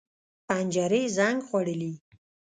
پنجرې زنګ خوړلي